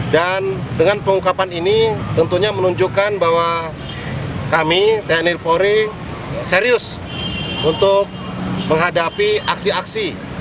dan dengan pengungkapan ini tentunya menunjukkan bahwa kami tni polri serius untuk menghadapi aksi aksi